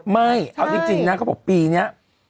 ไม่เอาจริงนะเขาบอกปีนี้